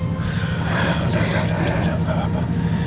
udah udah udah gak apa apa